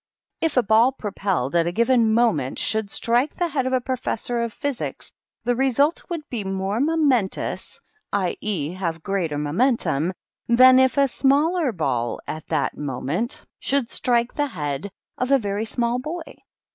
If a ball propelled at a given moment should strike the head of a professor of Physics, the re sult would be more momentous — i.e., have greater momentum — than if a similar ball at that moment D THE KINDERGARTEN. should strike the head of a very bad small boy.